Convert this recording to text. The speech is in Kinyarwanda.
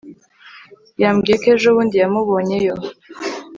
yambwiye ko ejobundi yamubonyeyo